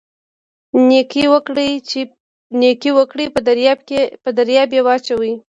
نیکي وکړئ په دریاب یې واچوئ